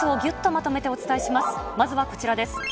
まずはこちらです。